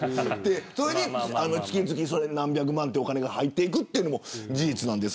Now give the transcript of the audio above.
それで月々何百万円というお金が入ってくるのも事実です。